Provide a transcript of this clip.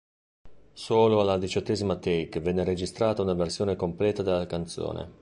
Solo alla diciottesima take venne registrata una versione completa della canzone.